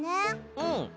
うん。